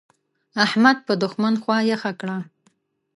احمد په دوښمن خوا يخه کړه.